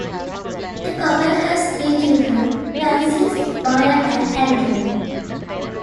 The couple has three children, Francis, Maya, and Andrew.